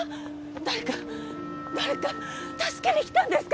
誰か誰か助けに来たんですか？